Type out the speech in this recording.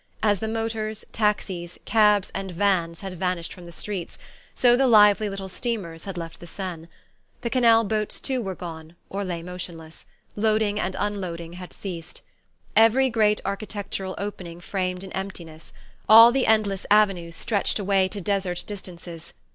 As the motors, taxis, cabs and vans had vanished from the streets, so the lively little steamers had left the Seine. The canal boats too were gone, or lay motionless: loading and unloading had ceased. Every great architectural opening framed an emptiness; all the endless avenues stretched away to desert distances.